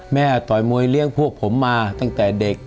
ต่อยมวยเลี้ยงพวกผมมาตั้งแต่เด็ก